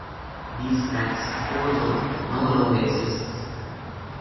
These tracks, also, no longer exist.